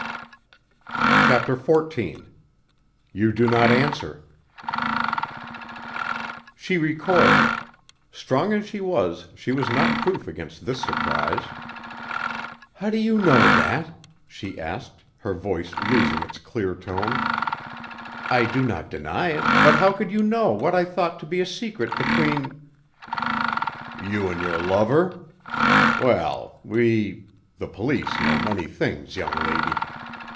_" CHAPTER XIV "You do not answer" She recoiled. Strong as she was, she was not proof against this surprise. "How do you know that?" she asked, her voice losing its clear tone. "I do not deny it, but how could you know what I thought to be a secret between " "You and your lover? Well we the police know many things, young lady.